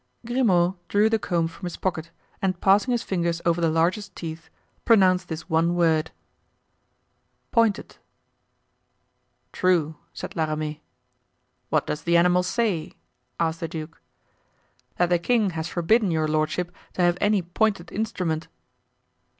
Grimaud drew the comb from his pocket and passing his fingers over the largest teeth, pronounced this one word, "Pointed." "True," said La Ramee. "What does the animal say?" asked the duke. "That the king has forbidden your lordship to have any pointed instrument."